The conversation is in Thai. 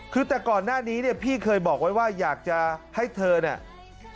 คือแต่ก่อนหน้านี้เนี่ยพี่เคยบอกไว้ว่าอยากจะให้เธอเนี่ย